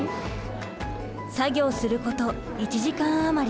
作業すること１時間余り。